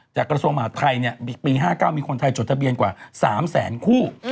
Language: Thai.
จากกระทรวมอาทธ์ไทยเนี่ยปี๕๙มีคนไทยจดทะเบียนกว่า๓แสนคู่